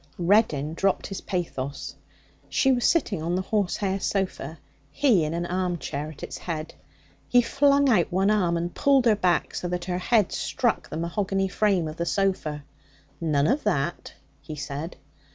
Reddin dropped his pathos. She was sitting on the horsehair sofa, he in an armchair at its head. He flung out one arm and pulled her back so that her head struck the mahogany frame of the sofa. 'None of that!' he said.